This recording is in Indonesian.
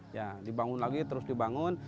ya dibangun lagi terus dibangun